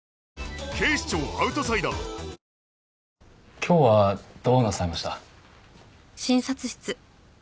今日はどうなさいました？